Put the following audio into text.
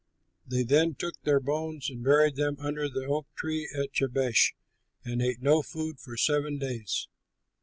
Then they took their bones and buried them under the oak tree in Jabesh and ate no food for seven days.